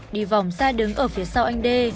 đi vòng xa đứng ở phía sau anh dê